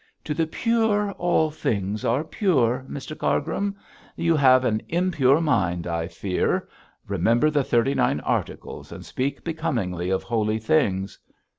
'To the pure all things are pure, Mr Cargrim; you have an impure mind, I fear. Remember the Thirty Nine Articles and speak becomingly of holy things.